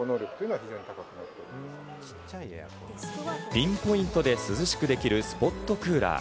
ピンポイントで涼しくできるスポットクーラー。